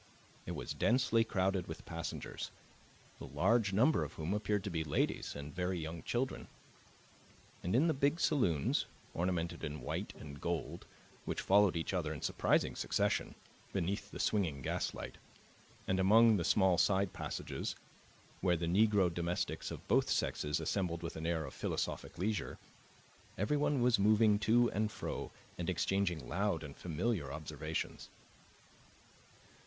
It was densely crowded with passengers, the larger number of whom appeared to be ladies and very young children; and in the big saloons, ornamented in white and gold, which followed each other in surprising succession, beneath the swinging gaslight, and among the small side passages where the Negro domestics of both sexes assembled with an air of philosophic leisure, everyone was moving to and fro and exchanging loud and familiar observations.